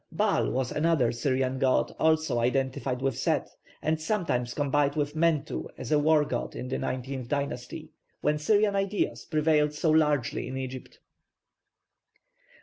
+Baal+ was another Syrian god also identified with Set, and sometimes combined with Mentu as a war god in the nineteenth dynasty, when Syrian ideas prevailed so largely in Egypt.